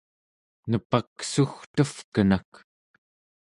nepaksugtevkenak!